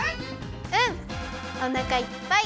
うんおなかいっぱい！